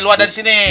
lu ada disini